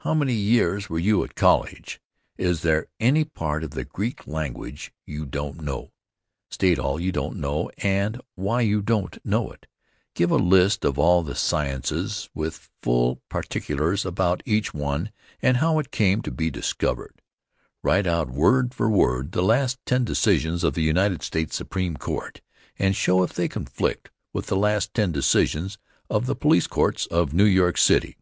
How many years were you at college? Is there any part of the Greek language you don't know? State all you don't know, and why you don't know it. Give a list of all the sciences with full particulars about each one and how it came to be discovered. Write out word for word the last ten decisions of the United States Supreme Court and show if they conflict with the last ten decisions of the police courts of New York City."